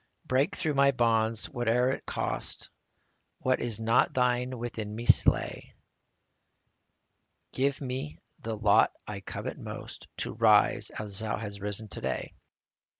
Break through my bonds, whate'er it cost ; What is not Thine within me slay ; Give me the lot I covet most, — To rise as Thou hast risen to day.